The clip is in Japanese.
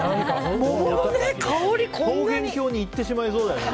桃源郷に行ってしまいそうだよね。